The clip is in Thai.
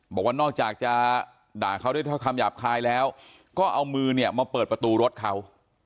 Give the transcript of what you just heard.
บอกว่านอกจากจะด่าเขาด้วยคำหยาบคายแล้วก็เอามือเนี่ยมาเปิดประตูรถเขา